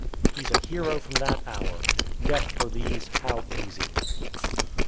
He's a hero from that hour! Death for these, how easy!